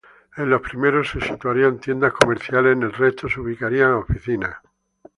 En los primeros se situarían tiendas comerciales, en el resto se ubicarían oficinas.